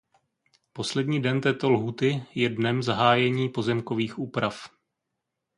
Poslední den této lhůty je dnem zahájení pozemkových úprav.